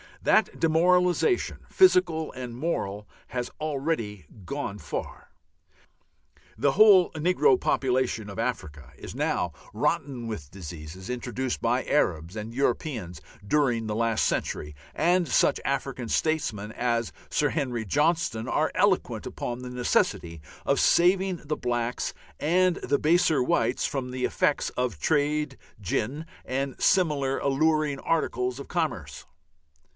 That demoralization, physical and moral, has already gone far. The whole negro population of Africa is now rotten with diseases introduced by Arabs and Europeans during the last century, and such African statesmen as Sir Harry Johnston are eloquent upon the necessity of saving the blacks and the baser whites from the effects of trade gin and similar alluring articles of commerce.